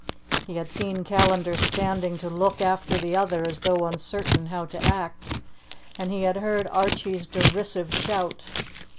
He had seen Callandar standing to look after the other as though uncertain how to act, and he had heard Archie's derisive shout.